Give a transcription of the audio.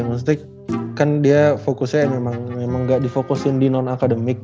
maksudnya kan dia fokusnya memang nggak di fokusin di non akademik